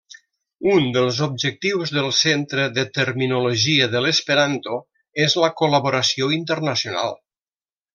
Un dels objectius del Centre de Terminologia de l'Esperanto és la col·laboració internacional.